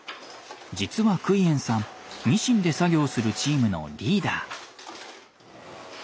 実はクイエンさんミシンで作業するチームのリーダー。